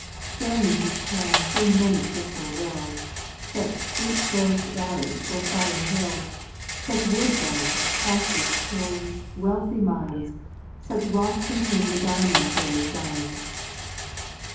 Show me who can, so many crystal rills, Such sweet cloth'd valleys or aspiring hills; Such wood ground, pastures, quarries, wealthy mines; Such rocks in whom the diamond fairly shines."